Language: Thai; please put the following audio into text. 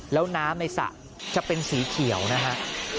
แล้วน้ำในสระจะเป็นสีเขียวนะฮะ